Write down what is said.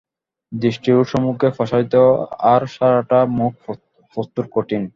দৃষ্টি ওর সম্মুখে প্রসারিত আর সারাটা মুখ প্রস্তরকঠিন।